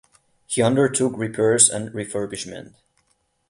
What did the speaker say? He undertook repairs and refurbishment.